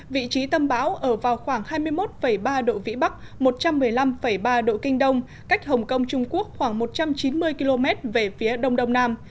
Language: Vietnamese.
vị trí tâm bão ở vào khoảng hai mươi một ba độ vĩ bắc một trăm một mươi năm ba độ kinh đông cách hồng kông trung quốc khoảng một trăm chín mươi km về phía đông đông nam